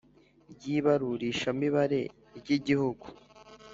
rw ibarurishamibare rw Igihugu